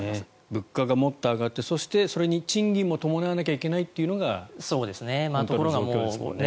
物価がもっと上がってそしてそれに賃金も伴わなきゃいけないというのが本当の状況ですもんね。